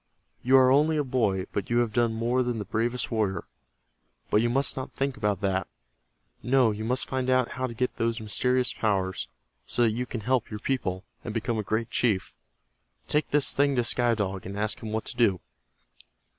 "You are only a boy, but you have done more than the bravest warrior. But you must not think about that. No, you must find out how to get those mysterious powers, so that you can help your people, and become a great chief. Take this thing to Sky Dog, and ask him what to do."